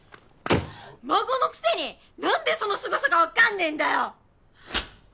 孫のくせに何でそのすごさが分かんねえんだよ！